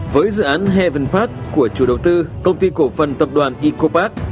với dự án heaven park của chủ đầu tư công ty cổ phần tập đoàn ecopark